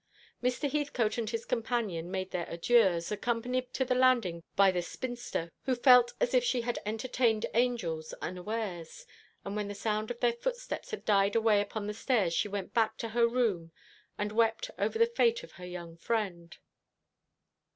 Mr. Heathcote and his companion made their adieux, accompanied to the landing by the spinster, who felt as if she had entertained angels unawares; but when the sound of their footsteps had died away upon the stairs she went back to her room, and wept over the fate of her young friend.